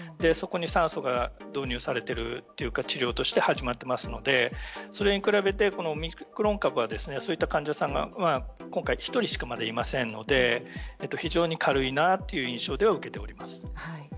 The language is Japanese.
そこに酸素が導入されているというか治療として始まっていますのでそれに比べて、オミクロン株はそういった患者さんが今回まだ１人しかいませんので非常に軽いなという印象を受けております。